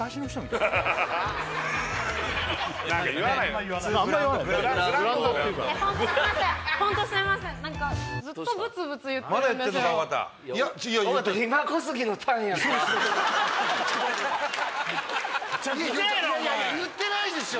いやいやいや言ってないですよ